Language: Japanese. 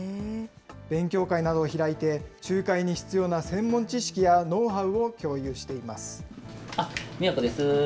勉強会などを開いて、仲介に必要な専門知識やノウハウを共有しています。